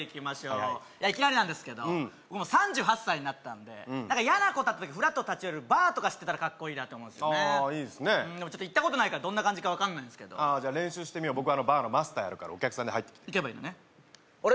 はいはいいやいきなりなんですけど僕もう３８歳になったんで何か嫌なことあった時フラッと立ち寄れるバーとか知ってたらかっこいいなと思うんですよねああいいですねでも行ったことないからどんな感じか分かんないんすけどああじゃあ練習してみよう僕あのバーのマスターやるからお客さんで入ってきて行けばいいのねあれ？